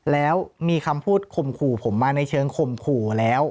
แล้วมีคำพูดข่มขู่ผมมาในเชิงข่มขู่แล้ว